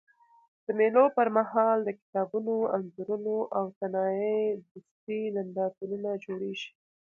د مېلو پر مهال د کتابونو، انځورونو او صنایع دستي نندارتونونه جوړېږي.